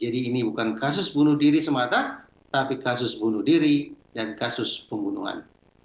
jadi ini bukan kasus bunuh diri semata tapi kasus bunuh diri dan kasus pembunuhan